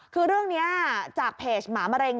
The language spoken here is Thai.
คือเรื่องนี้จากเพจหมามะเร็ง